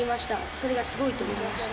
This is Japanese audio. それがすごいと思いました。